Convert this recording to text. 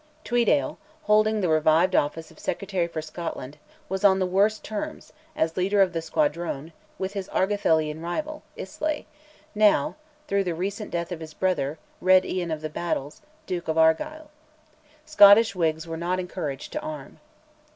Tweeddale, holding the revived office of Secretary for Scotland, was on the worst terms, as leader of the Squadrone, with his Argathelian rival, Islay, now (through the recent death of his brother, Red Ian of the Battles) Duke of Argyll. Scottish Whigs were not encouraged to arm.